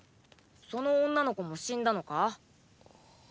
その女の子も死んだのか？